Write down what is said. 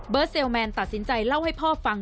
เซลลแมนตัดสินใจเล่าให้พ่อฟัง